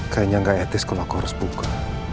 kayaknya nggak etis kalau aku harus buka